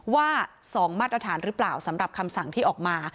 ว่า๒มาตรฐานหรือเปล่าสำหรับคำสั่งที่ออกมา